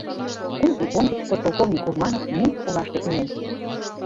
Кум ий ончыч подполковник Урманов Минск олаште илен.